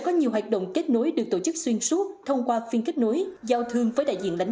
có nhiều hoạt động kết nối được tổ chức xuyên suốt thông qua phiên kết nối giao thương với đại diện lãnh